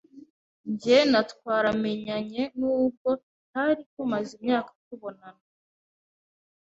Jye na twaramenyanye nubwo tutari tumaze imyaka tubonana.